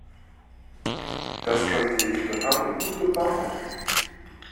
Das könnte ich gerade gut gebrauchen.